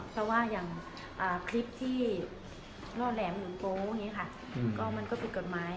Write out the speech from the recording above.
เพราะว่าอย่างคลิปที่รอแหลมหรือโป๊ะมันก็ผิดกฎหมาย